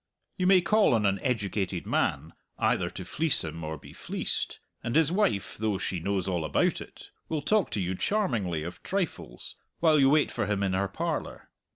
You may call on an educated man, either to fleece him or be fleeced, and his wife, though she knows all about it, will talk to you charmingly of trifles while you wait for him in her parlour.